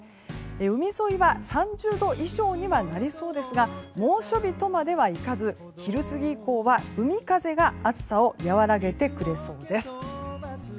海沿いは３０度以上にはなりそうですが猛暑日とまではいかず昼過ぎ以降は海風が暑さを和らげてくれそうです。